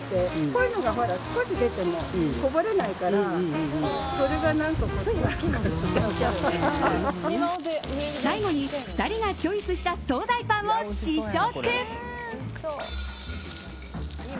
こういうのが少し出てもこぼれないから最後に２人がチョイスした総菜パンを試食。